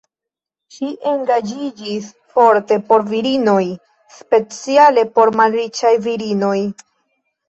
Ŝi engaĝiĝis forte por virinoj, speciale por malriĉaj virinoj.